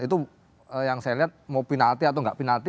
itu yang saya lihat mau penalty atau gak penalty